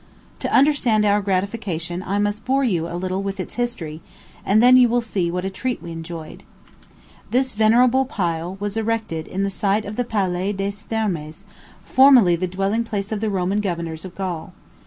To understand our gratification, I must bore you a little with its history, and then you will see what a treat we enjoyed. This venerable pile was erected on the site of the Palais des Thermes, formerly the dwelling place of the Roman governors of Gaul.